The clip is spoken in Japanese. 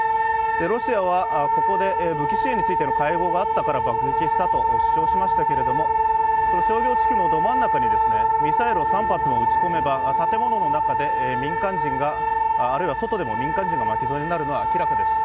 ロシアはここで武器支援についての会合があったから爆撃したと主張しましたが商業地区のど真ん中にミサイルを３発撃ち込めば建物の中で民間人があるいは外でも民間人が巻き添えになるのは明らかです。